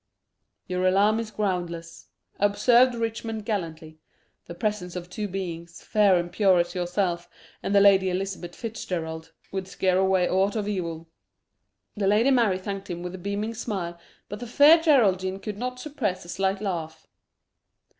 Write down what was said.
"Your alarm is groundless," observed Richmond gallantly. "The presence of two beings, fair and pure as yourself and the Lady Elizabeth Fitzgerald, would scare away aught of evil." The Lady Mary thanked him with a beaming smile, but the Fair Geraldine could not suppress a slight laugh.